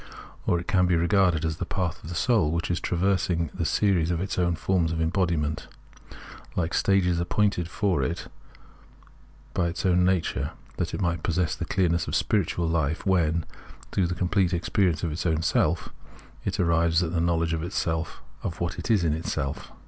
Or it can be regarded as the path of the soul, which is traversing the series of its own forms of embodiment, hke stages appointed for it by its own nature, that it may possess the clearness of spiritual hfe when, through the com plete experience of its own self, it arrives at the know ledge of what it is in itself.